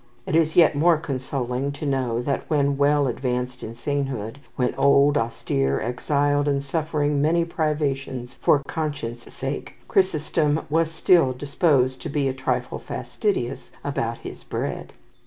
It is yet more consoling to know that when well advanced in sainthood, when old, austere, exiled, and suffering many privations for conscience' sake, Chrysostom was still disposed to be a trifle fastidious about his bread.